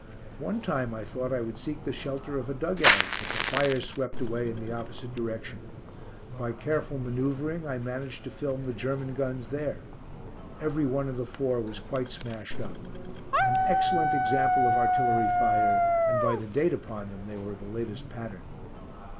One time I thought I would seek the shelter of a dug out, but the fire swept away in the opposite direction. By careful manoeuvring I managed to film the German guns there. Every one of the four was quite smashed up. An excellent example of artillery fire, and by the date upon them they were of the latest pattern.